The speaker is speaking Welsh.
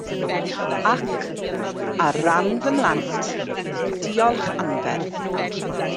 Ac, ar ran fy mhlant, diolch anferth.